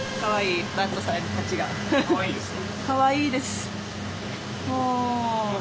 かわいいですか？